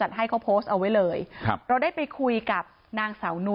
แต่มีเงินไปกินหรูอยู่สบายแบบสร้างภาพ